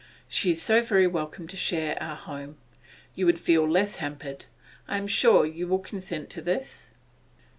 She is so very welcome to a share of our home. You would feel less hampered. I am sure you will consent to this.